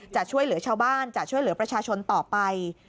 จะช่วยเหลือชาวบ้านจะช่วยเหลือประชาชนต่อไป